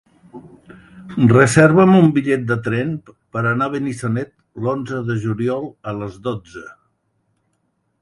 Reserva'm un bitllet de tren per anar a Benissanet l'onze de juliol a les dotze.